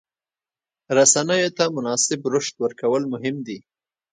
رسنیو ته مناسب رشد ورکول مهم دي.